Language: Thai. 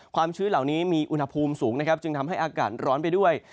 ชื้นเหล่านี้มีอุณหภูมิสูงนะครับจึงทำให้อากาศร้อนไปด้วย